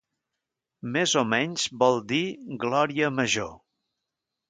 Més o menys vol dir "glòria major".